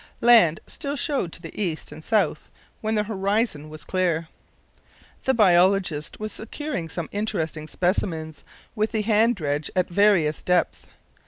Land still showed to the east and south when the horizon was clear. The biologist was securing some interesting specimens with the hand dredge at various depths.